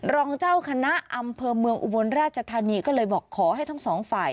รองเจ้าคณะอำเภอเมืองอุบลราชธานีก็เลยบอกขอให้ทั้งสองฝ่าย